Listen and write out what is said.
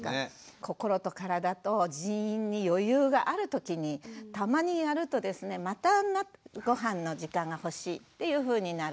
心と体と人員に余裕がある時にたまにやるとですねまたごはんの時間が欲しいっていうふうになる。